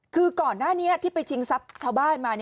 คือก่อนหน้านี้ที่ไปชิงทรัพย์ชาวบ้านมา